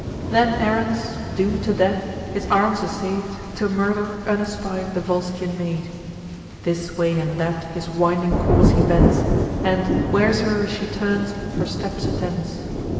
Then Aruns, doom'd to death, his arts assay'd, To murder, unespied, the Volscian maid: This way and that his winding course he bends, And, whereso'er she turns, her steps attends.